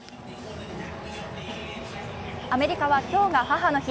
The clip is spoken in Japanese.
アメリカは今日が母の日。